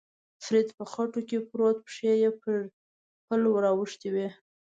فرید په خټو کې پروت، پښې یې پر پل ور اوښتې وې.